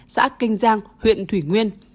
xã kinh giang huyện thủy nguyên